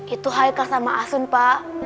itu haikal sama asun pak